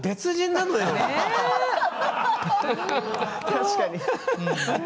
確かに。